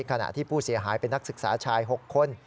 ขณะที่ผู้เสียหายเป็นนักศึกษาชาย๖คน